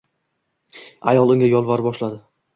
Ayol unga yolvora boshladi